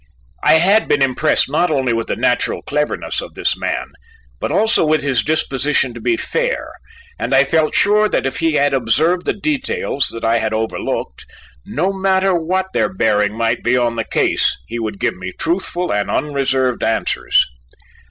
I had been impressed not only with the natural cleverness of this man, but also with his disposition to be fair, and I felt sure that if he had observed the details that I had overlooked, no matter what their bearing might be on the case, he would give me truthful and unreserved answers.